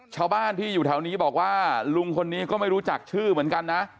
ชาวบ้านที่อยู่แถวนี้บอกว่าลุงคนนี้ก็ไม่รู้จักชื่อเหมือนกันนะ